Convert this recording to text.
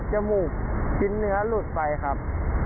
มูกชิ้นเนื้อหลุดไปครับ